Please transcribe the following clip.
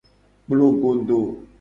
Kplogodo.